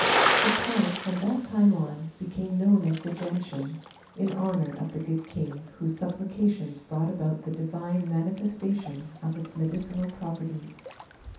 The plant from that time on became known as the Gentian, in honor of the good king, whose supplications brought about the divine manifestation of its medicinal properties.